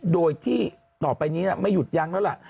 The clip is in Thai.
โดยที่ต่อไปนี้ไม่หยุดยั้งแล้วล่ะ